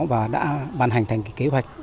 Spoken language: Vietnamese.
và đã ban hành thành kế hoạch